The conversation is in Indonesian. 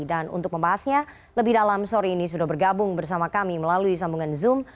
dan untuk membahasnya lebih dalam sore ini sudah bergabung bersama kami melalui sambungan zoom